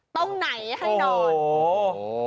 ตรงไหนให้นอน